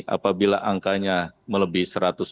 apabila angkanya melebih satu ratus empat puluh